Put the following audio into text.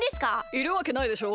いるわけないでしょ。